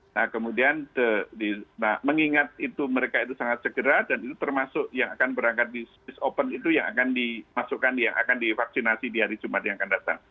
nah kemudian mengingat itu mereka itu sangat segera dan itu termasuk yang akan berangkat di swiss open itu yang akan dimasukkan yang akan divaksinasi di hari jumat yang akan datang